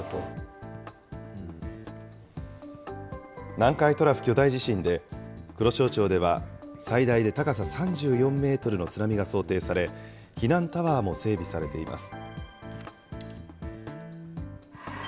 南海トラフ巨大地震で、黒潮町では最大で高さ３４メートルの津波が想定され、避難タワーも整備されています。